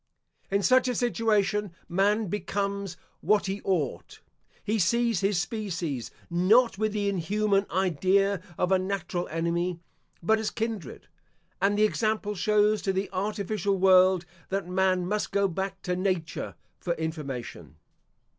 In such a situation man becomes what he ought. He sees his species, not with the inhuman idea of a natural enemy, but as kindred; and the example shows to the artificial world, that man must go back to Nature for information.